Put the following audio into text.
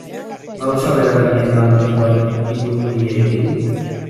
Gauza bera eginen da noizbait ipuingileekin?